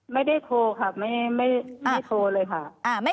ไม่ได้โทรค่ะไม่โทรเลยค่ะ